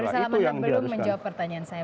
ada yang belum menjawab pertanyaan saya